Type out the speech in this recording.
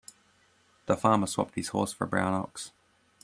The farmer swapped his horse for a brown ox.